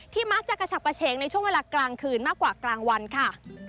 มักจะกระฉับกระเฉงในช่วงเวลากลางคืนมากกว่ากลางวันค่ะ